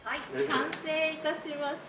完成致しました。